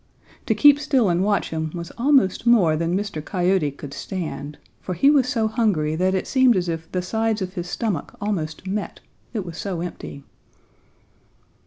To keep still and watch him was almost more than Mr. Coyote could stand, for he was so hungry that it seemed as if the sides of his stomach almost met, it was so empty.